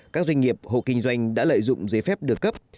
các doanh nghiệp hộ kinh doanh đã lợi dụng giấy phép được cấp